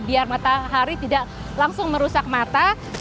biar matahari tidak langsung merusak mata